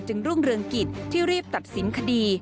รุ่งเรืองกิจที่รีบตัดสินคดี